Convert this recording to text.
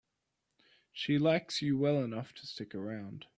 She likes you well enough to stick around.